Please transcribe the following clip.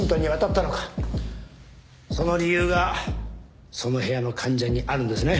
その理由がその部屋の患者にあるんですね？